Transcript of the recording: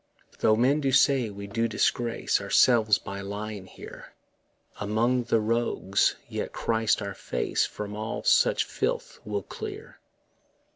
Though men do say we do disgrace Ourselves by lying here Among the rogues, yet Christ our face From all such filth will clear.